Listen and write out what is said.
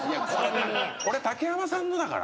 これ竹山さんのだから。